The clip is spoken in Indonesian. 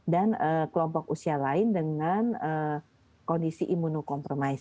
dan kelompok usia lain dengan kondisi imunokompromis